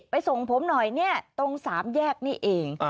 ไปส่งผมหน่อยตรงสามแยกนี่เอง